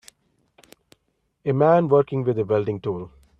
A man working with a welding tool.